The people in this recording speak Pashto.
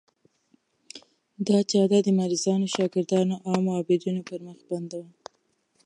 دا جاده د مریضانو، شاګردانو او عامو عابرینو پر مخ بنده وه.